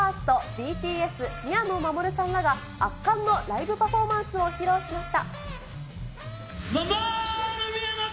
大注目のビーファースト、ＢＴＳ、宮野真守さんらが圧巻のライブパフォーマンスを披露しました。